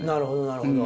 なるほど。